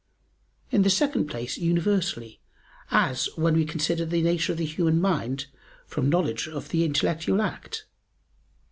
In the second place, universally, as when we consider the nature of the human mind from knowledge of the intellectual act.